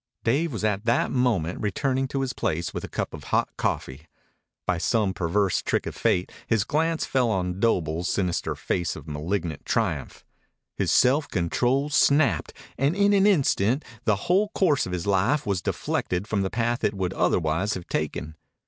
Dave was at that moment returning to his place with a cup of hot coffee. By some perverse trick of fate his glance fell on Doble's sinister face of malignant triumph. His self control snapped, and in an instant the whole course of his life was deflected from the path it would otherwise have taken.